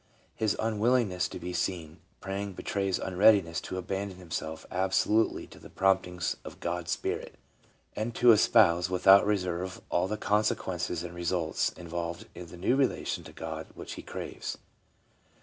His unwilling ness to be seen praying betrays unreadiness to abandon him self absolutely to the promptings of God's spirit, and to es pouse without reserve all the consequences and results in volved in the new relation to God which he craves.